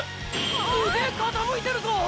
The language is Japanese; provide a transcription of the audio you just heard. すげぇ傾いてるぞ！！